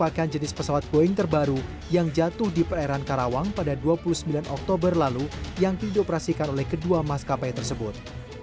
merupakan jenis pesawat boeing terbaru yang jatuh di perairan karawang pada dua puluh sembilan oktober lalu yang dioperasikan oleh kedua maskapai tersebut